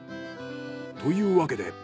というわけで。